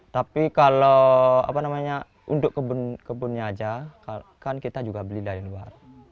tapi kalau untuk kebunnya saja kan kita juga beli dari luar